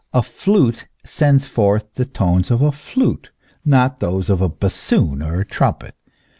A flute sends forth the tones of a flute, not those of a hassoon or a trumpet.